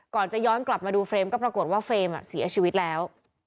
ก่อนจะย้อนกลับมาดูเฟรมก็ปรากฏว่าเฟรมเสียชีวิตแล้ว